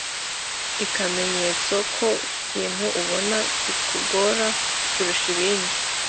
ikamenyetso ku kintu ubona kikugora kurusha ibindi